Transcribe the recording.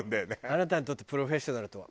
「あなたにとってプロフェッショナルとは？」。